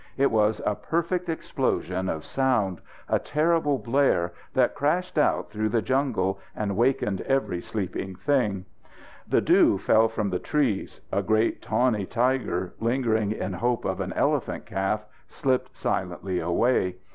It was a perfect explosion of sound, a terrible blare, that crashed out through the jungles and wakened every sleeping thing. The dew fell from the trees. A great tawny tiger, lingering in hope of an elephant calf, slipped silently away.